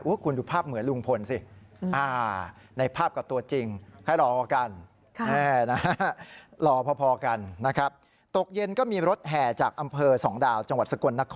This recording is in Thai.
คุณดูภาพเหมือนลุงพลสิ